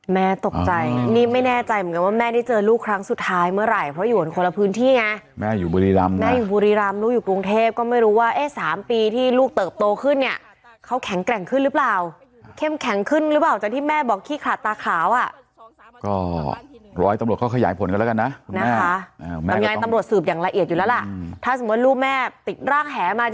แม่ตกใจนี่ไม่แน่ใจเหมือนกันว่าแม่ได้เจอลูกครั้งสุดท้ายเมื่อไหร่เพราะอยู่คนละพื้นที่ไงแม่อยู่บุรีรำแม่อยู่บุรีรำลูกอยู่กรุงเทพก็ไม่รู้ว่าเอ๊ะสามปีที่ลูกเติบโตขึ้นเนี่ยเขาแข็งแกร่งขึ้นหรือเปล่าเข้มแข็งขึ้นหรือเปล่าจากที่แม่บอกขี้ขาดตาขาวอ่ะก็ร้อยตำรวจเขาขยายผลแล้